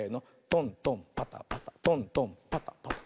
トントンパタパタトントンパタパタ。